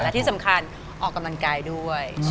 และที่สำคัญออกกำลังกายด้วย